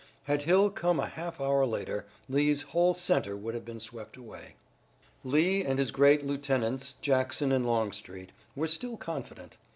Had Hill come a half hour later Lee's whole center would have been swept away. Lee and his great lieutenants, Jackson and Longstreet, were still confident.